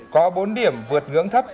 có bốn điểm vượt ngưỡng thấp